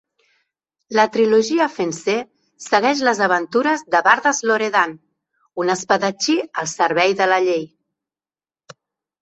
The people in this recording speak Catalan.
La trilogia Fencer segueix les aventures de Bardas Loredan, un espadatxí al servei de la llei.